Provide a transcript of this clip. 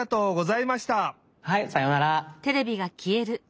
はいさようなら。